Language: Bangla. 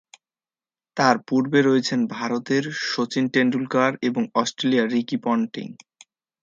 তার পূর্বে রয়েছেন ভারতের শচীন তেন্ডুলকর এবং অস্ট্রেলিয়ার রিকি পন্টিং।